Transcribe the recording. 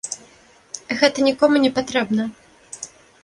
Гэта нікому не патрэбна.